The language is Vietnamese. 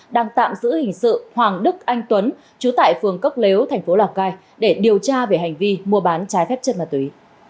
đang tạm giữ hình sự hoàng đức anh tuấn chú tại phường cốc lếu thành phố lào cai để điều tra về hành vi mua bán trái phép chất ma túy